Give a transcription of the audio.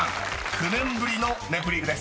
９年ぶりの『ネプリーグ』です］